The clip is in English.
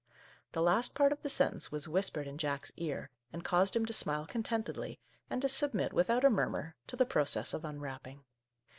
" The last part of the sentence was whispered in Jack's ear, and caused him to smile con tentedly, and to submit without a murmur to the process of unwrapping.